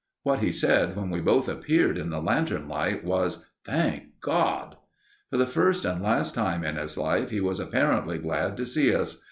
What he said when we both appeared in the lantern light was: "Thank God!" For the first and last time in his life he was apparently glad to see us.